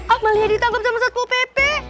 amalia ditangkap sama satpu pepe